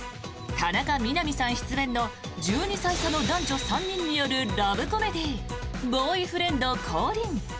田中みな実さん出演の１２歳差の男女３人によるラブコメディー「ボーイフレンド降臨！」。